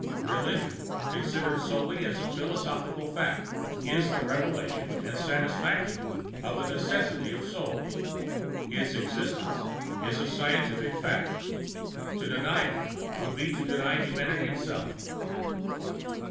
Religion, considered solely as a physiological fact, is the revelation and satisfaction of a necessity of souls. Its existence is a scientific fact; to deny it, would be to deny humanity itself.